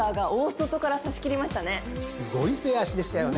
すごい末脚でしたよね！